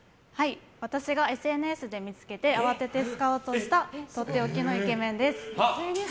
私がＳＮＳで見つけて慌ててスカウトしたとっておきのイケメンです。